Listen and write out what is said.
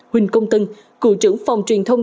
huỳnh công tân cựu trưởng phòng truyền thông